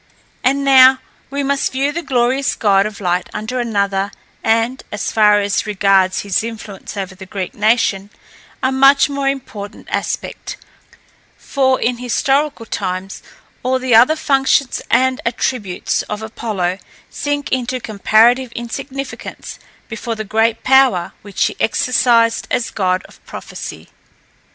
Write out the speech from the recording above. And now we must view the glorious god of light under another, and (as far as regards his influence over the Greek nation) a much more important aspect; for, in historical times, all the other functions and attributes of Apollo sink into comparative insignificance before the great power which he exercised as god of prophecy.